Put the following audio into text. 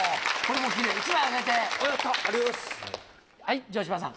はい城島さん。